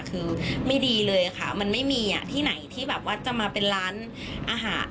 คือไม่ดีเลยค่ะมันไม่มีที่ไหนที่แบบว่าจะมาเป็นร้านอาหาร